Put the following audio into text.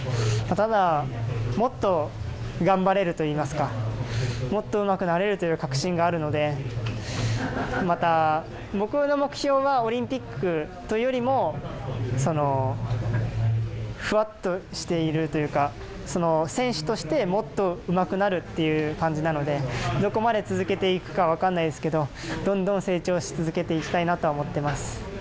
ただ、もっと頑張れるといいますかもっと、うまくなれるという確信があるのでまた、僕の目標はオリンピックというよりもフワッとしているというか選手として、もっとうまくなるという感じなのでどこまで続けていくか分からないですけどどんどん成長し続けていきたいなと思っています。